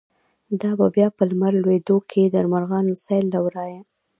دابه بیا په لمر لویدوکی، دمرغانو سیل له ورایه”